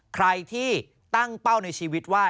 ใครที่ตั้งเป้าในชีวิตว่า